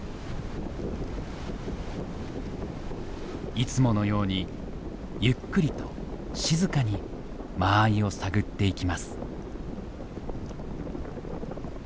いつものようにゆっくりと静かに間合いを探っていきます。